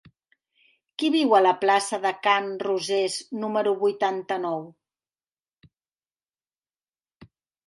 Qui viu a la plaça de Can Rosés número vuitanta-nou?